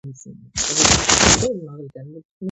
ლომო, ქებანი შენნიმცა ჩვენ ვითა ვადიადენით!